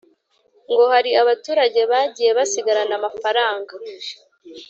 ngo hari abaturage bagiye basigarana amafaranga